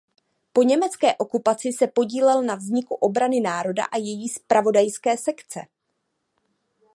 Po německé okupaci se podílel na vzniku Obrany národa a její zpravodajské sekce.